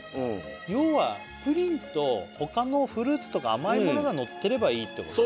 要はプリンとほかのフルーツとか甘いものがのってればいいってこと？